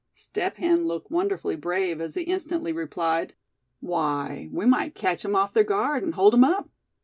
Step Hen looked wonderfully brave as he instantly replied: "Why, we might catch 'em off their guard, and hold 'em up.